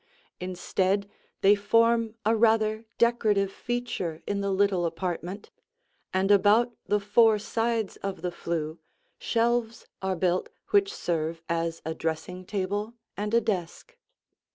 Instead, they form a rather decorative feature in the little apartment, and about the four sides of the flue shelves are built which serve as a dressing table and a desk.